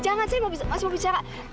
jangan saya masih mau bicara